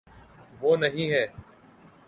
وہ نہیں ہے۔